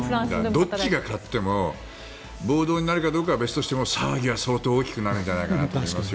どっちが勝っても暴動になるかは別としても、騒ぎは相当大きくなると思いますよ